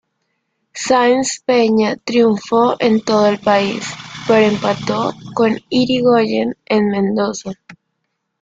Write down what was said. Sáenz Peña triunfó en todo el país, pero empató con Irigoyen en Mendoza.